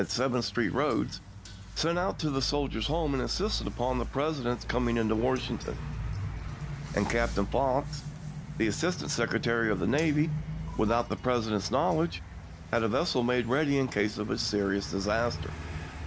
Seventh Street roads, sent out to the Soldiers' Home and insisted upon the President's coming into Washington ; and Captain Fox, the Assistant Secretary of the Navy, without the President's knowledge, had a vessel made ready in case of a serious disaster.